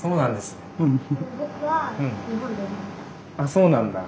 そうなんだ。